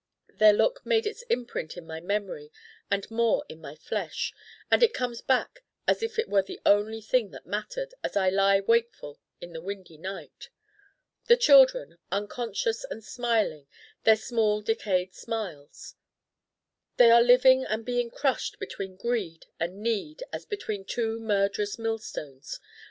Their look made its imprint in my memory and more in my flesh. And it comes back as if it were the only thing that mattered as I lie wakeful in the windy night. The children unconscious and smiling their small decayed smiles they are living and being crushed between greed and need as between two murderous millstones.